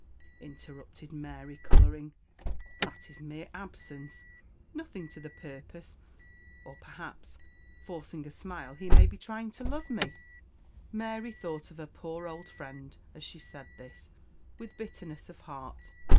interrupted Mary, colouring, "that is mere absence nothing to the purpose or perhaps," forcing a smile, "he may be trying to love me!" Mary thought of her poor old friend, as she said this, with bitterness of heart.